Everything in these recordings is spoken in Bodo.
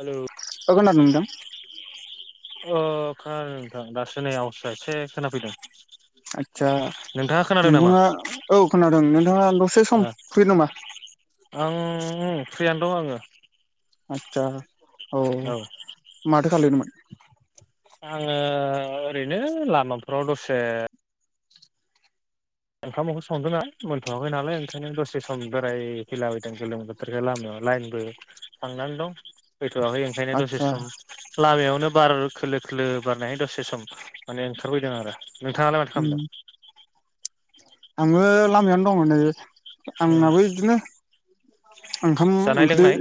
हेलौ ओ खोनादों नोंथां? ओ खोनादों नोंथां दासो नै आवासा एसे खोनाफैदों। आदसा। नोंथाङा खोनादों नामा? नोंथाङा औ खोनादों नोंथाङा दसे ओ सम फ्रि नामा? आं ओं फ्रियानो दं आङो। आदसा औ माथो खालायदोंमोन? आङो ओरैनो लामाफ्राव दसे ओंखाम ओंख्रि संदोंना मोनथ'वाखै नालाय ओंखायनो दसे सम बेरायफैला बायदों गोलोम बोथोरनि लामायाव। लाइनबो थांनानै दं फैथ'आखै ओंखायनो द'से आदसा सम लामायावनो बार खोलो खोलो बारनाय दसे सम माने ओंखारबोदों आरो नोंथाङालाय माथो खालामदों? आङो लामायावनो दङ नै ओ आंनाबो बिदिनो। ओंखाम जानाय ओंख्रि लोंनाय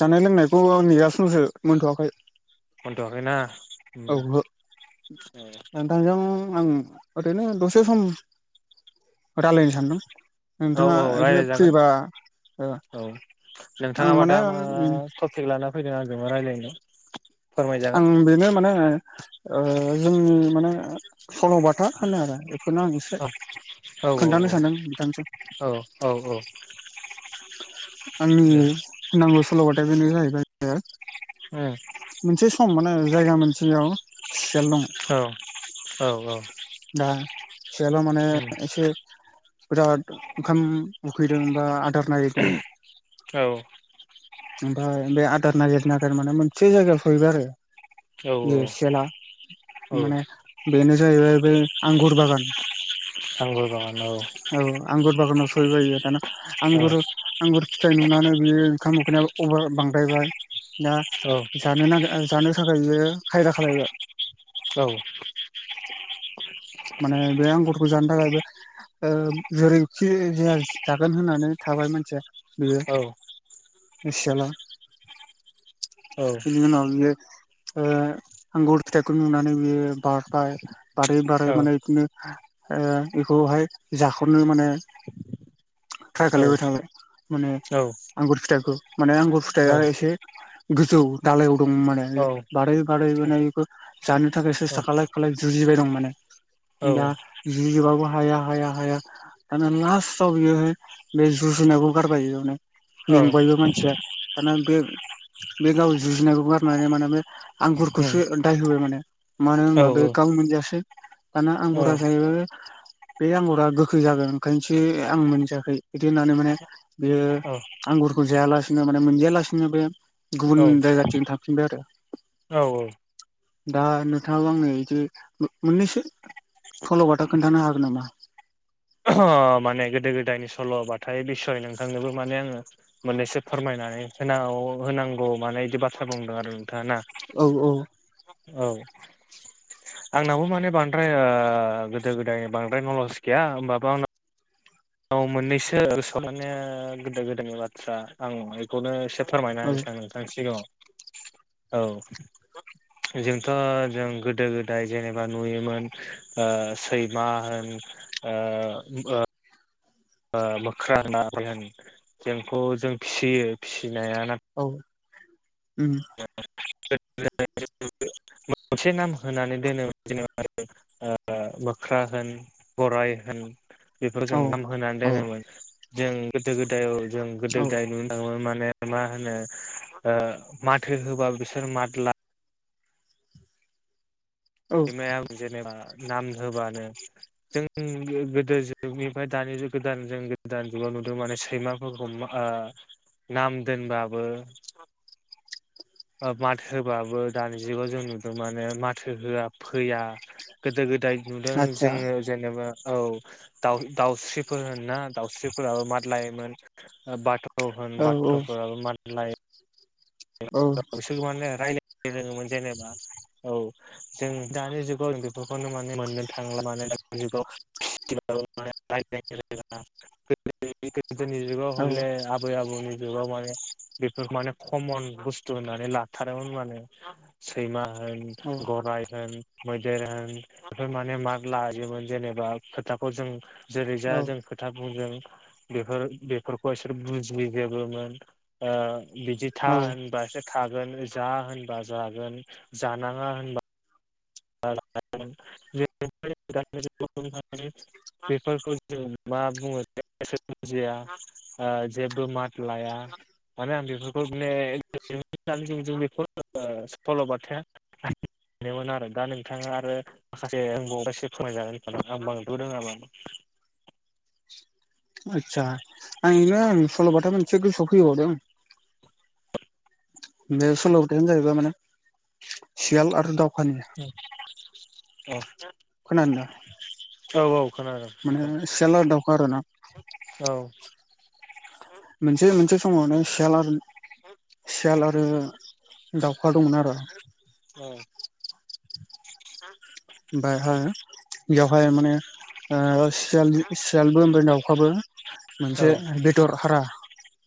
जानाय लोंनायखौ ओ नेगासिनो दंसो मोनथ'वाखै। मोनथ'वाखैना औ उम नोंथांजों आं ओरैनो दसे सम रायलायनो सानदों। औ नोंथाङा औ एसे रायलायजागोन। फ्रिबा ओ औ आं नोंथाङाबा माने दा मा टपिक लाना फैदों आंजों रायलायनो? आं बेनो माने ओ जोंनि माने सल'बाथा होनो आरो बेखौनो आं एसे औ औ खोन्थानो सानदों बिथांनिसिम। औ औ औ आंनि दे बुंनांगौ सलबाथाया बेनो जाहैबाय। ओ। मोनसे सम माने जायगा मोनसेयाव सियाल दं औ औ। दा सेयाला माने एसे। बिराद ओंखाम उखैदों बा आदार औ। ओमफाय बे आदार नागिर नागिर माने मोनसे जायगायाव सहैबाय आरो। औ बे सेला औ माने बेनो जाहैबाय बे आंगुर बागान। नंगौ बागान औ आंगुर बागानाव सहैबाय बियो दाना औ आंगुर आंगुरफो फिथाइ नुनानै बेयो ओंखाम उखैनायाबो बांद्रायबाय दा औ जानो ना ओ जानो थाखाय बियो खायदा खालायबाय। औ। माने बे आंगुरखौ जानो थाखाय बे ओ जेरैखि जाया जागोन होननानै थाबाय मानसिया बियो औ औ सियाला। औ इदिनो उनाव बियो। ओ आंगुर फिथाइखौ नुनानै बेयो बारबाय बारै ओमफ्राय माने बिदिनो ओ बेखौहाय जाख'नो माने ट्राइ खालायबाय थाबाय माने आंगुर फिथाइखौ माने आंगुर फिथाइया एसे गोजौ दालायाव दं माने ओ बारै बारै माने बेखौ जानो थाखाय सेस्था खालाय खालाय जुजिबाय दं माने दा जुजिबाबो हाया हाया हाया दाना लास्टआव बियोहाय बे जुनायखौ गारबाय बेयावनो। मेंबायबो मानसिया दाना बे बे गाव जुजिनायखौ गारनानै माने बे आंगुरखौसो दाय होबाय माने मानो होनबा बे गाव मोनजायासै दाना आंगुरा जाहैबाय बे आंगुरा गोखै जागोन ओंखायनोसो आं मोनजायाखै बिदि होननानै माने बेयो आंगुरखौ जायालासिनो माने मोनजायालासिनो बे गुबुन औ जायगाथिजों थांफिनबाय आरो। औ औ। दा नोंथांआबो आंनो बिदि मोननैसो सल'बाथा खोन्थानो हागोन नामा? माने गोदो गोदायनि सल'बाथाय बिसय नोंथांनोबो माने आंङो मोननैसो फोरमायनानै सोराव होनांगौ माने बिदि बाथ्रा बुंदों आरो नोंथांङा ना। औ औ औ आंनावो माने बांद्राय गोदो गोदायनि बांद्राय नलेज गैया होमबाबो आंनाव औ मोननैसो माने गोदो गोदायनि बाथ्रा आं बेखौनो एसे फोरमायना औ होनसै आं नोंथांनि सिगाङाव औ जोंथ' जों गोदो गोदाय जेनेबा नुयोमोन सैमा होन ओ मोख्रा ना होन जोंखौ जों फिसियो फिसिनाय ना औ उम [unintelligible] मोनसे नाम होनानै दोनो जेनेबा मोख्रा होन गराइ होन बेफोर जों औ नाम होनानै औ दोननायमोन जों गोदो गोदाय जों गोदो औ गोदाय नुनो थांङोमोन म मा होनो माथो होबा बिसोर माथ ला औ सैमाया जेनेबा नाम होबानो जों गोदो जुगनिफ्राय दानिग गोदान जों गोदान जुगाव नुदों माने सैमाफोरखौ नाम दोनबाबो माथो होबाबो दानिजुगाव जों नुदों माने माथो होआ फैया गोदो गोदाय नुदों आतसा जोङो जेनेबा औ दाउ दाउस्रिफोर होन ना दाउस्रिफोराबो मादलायोमोन बाथ' होन औ औ बाथ्र'फोराबो मानलायो औ बिसोरखौ माने रायलाय रोंङोमोन जेनेबा औ जों दानि जुगाव जों बेफोरखौनो माने मोननो थांला माने दानि जुगाव [unintelligible] गोदोनि जुगाव हले आबै आबौनि जुगाव माने बे माने खमन बुं बुसथुनानै लाथारोमोन माने सैमा होन गराय होन मैदेर होन बेफोर माने मा लाजोमोन जेनेबा खोथाखौ जों जेरै जा औ जों खोथाखौ जों बेफोर बेफोरखौ बिसोर बुजिजोबोमोन बिदि था औ होन बासो थागोन जा होनबा जागोन जानाङा होनबा [unintelligible] बेफोरखौ जों मा बुङो बुजिया अ जेबो मात लाया माने आं बेफोरखौ माने [unintelligible] सल'बाथायानोमोन आरो दा नोंथाङा आरो माखासे आं [unintelligible] फोरमायना होनो आं [unintelligible] आबा [inaudible] आतसा आं नोंनो सल' बाथा मानसे गोसोआव फौबावदों बे सल'बाथायानो जाहैबाय माने सियाल आरो दाउ औ खोनादोंदा औ औ खोनादों माने नोंथां सियाल आरो दावखा आरोना औ मोनसे मोनसे समावनो सियाल आरो सियाल आरो दावखा दंमोन आरो औ [inaudible] बेवहाय माने ओ सियालजो सियालबो ओमफ्राय दाउखाबो मोनसे बेदर हारा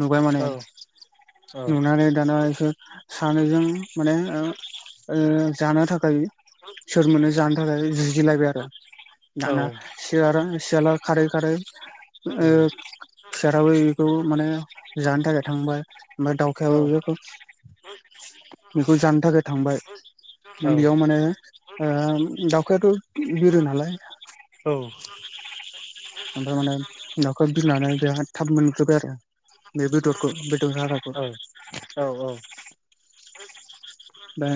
नुबाय माने औ औ नुनानै दाना बिस सानैजों माने ओ जानो थाखाय [unintelligible] हानि थाखाय जुजिलायबाय आरो औ दाना सियारा सियाला खारै खारै उम ओ सियाराबो बेखौ माने जानो थाखाय थांबाय ओमफाय दावखायाबो औ बेखौ बेखौ जानो थाखाय थांबाय औ बेयाव माने ओ दाउखायाथ' बिरो नालाय औ ओमफाय माने दावखा बिनानै बेहा थाब मोनग्रोबाय आरो बे बेदरखौ हाराखौ औ औ औ दा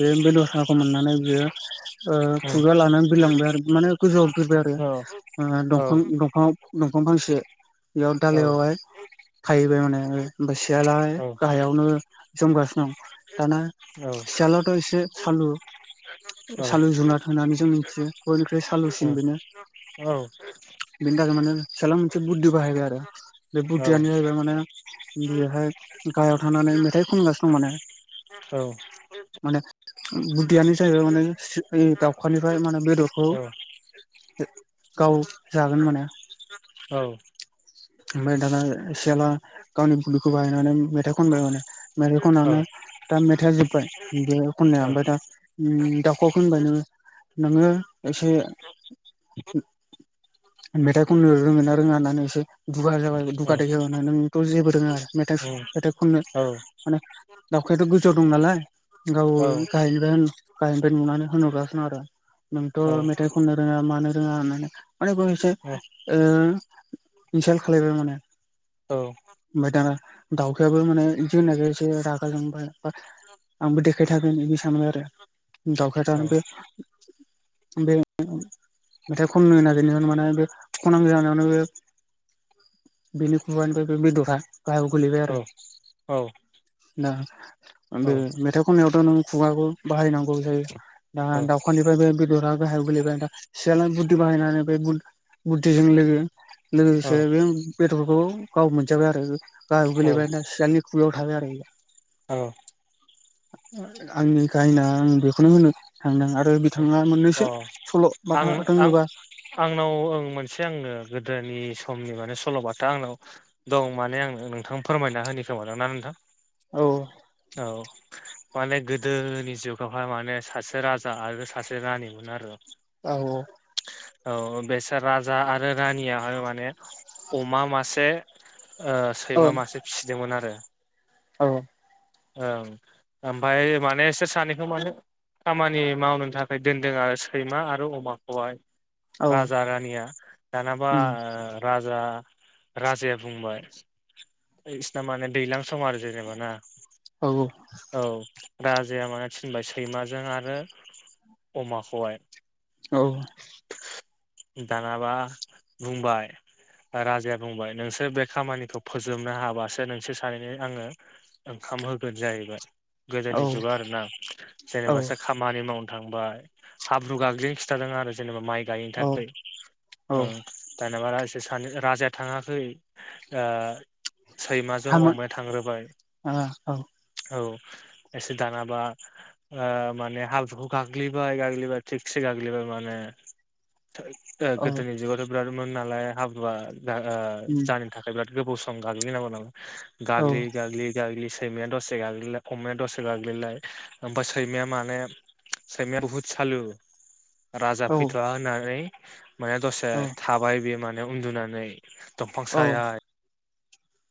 बे बेदर हाराखौ मोननानै बियो ओ उम खुगायाव लानानै बिलांबाय आरो माने गोजौआव बिरबाय आरो औ औ उम औ ओ औ दंफां दंफाङाव दंफां फांसे बेयाव दालायावहाय थाहैबाय माने ओ ओफाय सियाला गाहायावनो जोमगासिनो दं। दाना सियालाथ' एसे सालु सालु जुनाद औ होननानै जों मिथियो बयनिख्रुइ औ सालुसिन बेनो औ बेनि थाखाय माने सियाला मोनसे बुद्धि बाहायबाय आरो बे बुद्धियानो जाहैबाय माने बेहाय गाहायाव थानानै मेथाइ खनगासिनो दं माने औ बुध्दियानो जायैबाय माने सि ओइ दाउखानिफाय मानो बेदरखौ गाव जागोन माने [inaudible] ओमफाय दाना सियाला गावनि बोलोखौ बाहायनानै मेथाइ खनबाय माने मेथाइ खननानै दा मेथ खोथाया जोब्बाय बे खननाया ओमफाय दा ओं दाउखौ खोनबाय नोङो नोङो एसे मेथाइ खननो रोङोना रोङा होननानै एसे दुगा जाबाय दुगा देखायबाय ना नोंथ जेबो रोङा मे मेथाइ खननो माने दावखायाथ' गोज जौआव दं नालाय गाव गायहायनिफाय गायनिफ्राय नुनानै होनहरगासिनो आरो नोंथ' मेथाइ खननो रोङा मानो रोङा होननानै माने बाव एसे ओ इनसाल खालायबाय माने ओमफाय दाना दाउखायाबो माने इनसाल होनायखाय एसे रागा जोंबाय आंबो देखाय थारगोन बिदि सानबाय आरो दावखाया दा ओमफ्राय ओमफाय [unintelligible] मेथाइ खननो नागिरनायावनो माने बे खनहां जानायावनो बे बेनि खुगानिफ्राय बे बेदरा गाहायाव गोलैबाय आरो दा बे मेथाइ खननायावथ नों खुगाखौ बाहायनांगौ जायो। दा दाउखानिफ्राय बे बेदरा गाहायाव गोलैबाय दा सियाल बुध्दि बाहायनानै बे बु बुध्दिजों लोगो लोगोसे बे बेदरखौ गाव मोनजाबाय आरो गाहयाव गोलैबाय ना सियालनि खुगायाव थाबाय आरो औ आंनि खाहानिया आं बेखौनो होनो थांदों आरो बिथाङा औ मोननैसो औ अ सल' आं बाथा आं रोङोबा आंनाव ओं मोनसे आंनो गोदोनि समनि माने सल' बाथा आंनाव दं माने आं नो नोंथां फोरमायना होनि खोमा ना नोंथां? औ औ माने गोदोनि जुगावहाय माने सासे राजा आरो सासे रानिमोन आरो। औ औ औ बेसोर राजा आरो रानियाहाय माने अमा मासे ओ औ सैमा मासे फिसिदोंमोन आरो। औ। ओं ओमफ्राय माने इसोर सानैखौ माने खामानि मावनो थाखाय दोनदोंआरो सैमा आरो अमाखौहाय। औ राजा-रानिया दानाबा उम ओ राजा राजाया बुंबाय बिसिना माने दैज्लां समआरो जेनेबा ना औ औ औ राजाया माने थिनबाय सैमाजों आरो अमाखौहाय। औ दानाबा बुंबाय राजाया बुंबाय नोंसोर बे खामानिखौ फोजोबनो हाबासो नोंसोर सानैनो आङो ओंखाम होगोन जाहैबाय औ गोदोनि जुगाव आरोना औ जेब्लासो खामानि मावो थांबाय हाब्रु गाग्लिनो खिथादों आरो जेनेबा माय गायनि औ थाखाय‌ औ उम होनबासो सानो राजाया थाङाखै ओ सैमाजों थामोन अमाया थांग्रोबाय। ओ औ औ एसे दानाबा उम माने हब्रूखौ गाग्लिबायगाग्लिबाय थिगसे गाग्लिबाय माने औ गोदोनि जुगावथ' बिरादमोन नालाय हाब्रुवआ दा ओ उम जायनि थाखाय बिराद गोबाव समाव गाग्लिनांबावगौ औ गाग्लि गाग्लि गाग्लि सैमाया दसे गाग्लिलाय, अमाया दसे गाग्लिलाय ओमफ्राय सैमाया माने सैमाया बुहुद सालु, राजा औ फैथ'वा होननानै माने दसे औ थाबाय बे माने उन्दुनानै, दंफां औ सायायाव।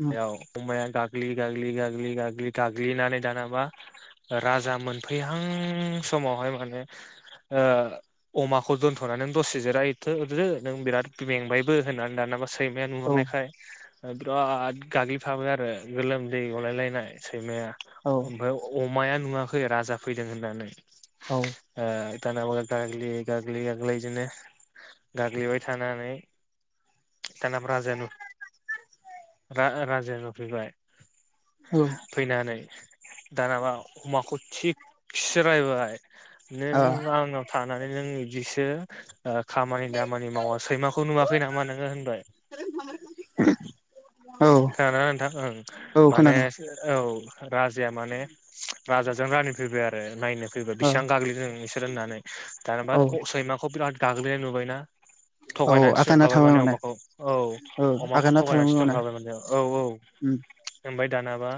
उम अमाया गाग्लि गाग्लि गाग्लि गाग्लि गाग्लिनानै दानाबा राजा मोनफैहां समावहाय माने ओ अमाखौ दोन्थ'नानै नों दसे जिरायथ'दो नों बिराद मेंबायबो होननानै दानाबा सैमाया औ नुहुरनायखाय बिराद गाग्लिफाबायआरो गोलोमदै गलायलायनाय। सैयारा औ ओमफ्राय अमाया नुवाखै राजा फैदों होननानै ओ दानाबा गाग्लि गाग्लि गाग्लि बिदिनो गाग्लिबाय थानानै दानाब राजा नु राजाया नुफैबाय औ फैनानै दानाबा अमाखौ थिगसे रायबाय नों आंनाव था नानै नों बिदिसो ओ खामानि दामानि मावा सैमाखौ नुवाखै नामा नोङो होनबाय ओ खाना नोंथां ओं औ माने खोनादों औ राजया माने राजाजों रानि फैबायआरो नायनो। फैबाय ओ बिसिबां गाग्लिदों नोंसोर होननानै दानाबा औ अ सैमाखौ बिराद गाग्लिनाय नुबायना औ थगायनानै आगाना थिनहरप्लाबाय थाबाय माने अमाखौ औ औ अमाखौ आगाना थगायनानै थालांबाय माने होनफाबायमोनलै औ औ उम ओमफ्राय दानाबा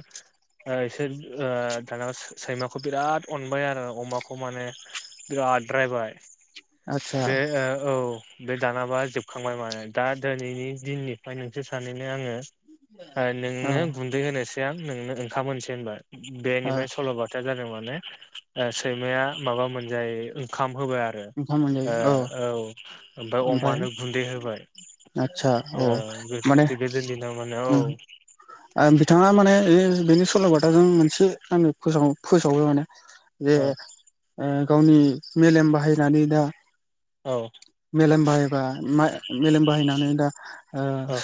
इसोर ओ दाना सैमाखौ बिराद अनबाय आरो अमाखौ माने बिराद बाद्रायबाय आदसा बे ओ औ बे दानाबा जोबखांबाय माने, दा दिनैनि दिननिफ्राय नोंसोर सानैनो आङो औ नोंनो गुन्दै होनोसै आं नोंनो ओंखाम होनोसै होनबाय ओ बेनिफ्राय सल'बाथा या जादों माने सैमाया माबा मोनजायो ओंखाम होबाय आरो ओंखाम मोनजायो ओ औ ओमफ्राय अमानो गुन्दै होबाय। आस्सा औ ओ माने गोदोनि दिनाव माने औ उम बिथाङा माने बे बेनि सल'बाथाजों मोनसे आङो फोसाव-फोसाबाय माने जे औ उम गावनि मेलेम बाहायनानै दा औ मेलेम बाहायबा मा मेलेम बाहायनानै दा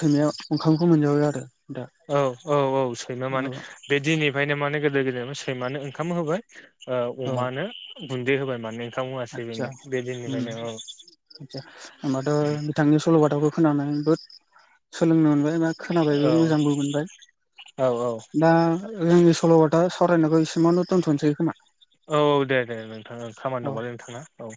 सैमाया ओ ओंखामखौ मोनजाबाय आरो दा औ औ औ सैमा माने औ बे दिनि फ्राय माने गोदो गोदेर सैमानो ओंखाम होबाय ओ औ अमानो गुन्दै होबाय माने मावासै बेनो बे दिननिफ्रायनो औ आसा होनोमबाथ' बिथांनि सल'बाथाखौ खोनानानै जोबोद सोलोंनो मोनबाय बा खोनाबायबो मोजांबो मोनबाय औ औ दा जोंनि सल' दा सरायनायखौ एसेमावनो दोन्थ'नोसै खोमा औ औ दे दे नोंथाङा औ खामानि दंबालाय नोंथाङा औ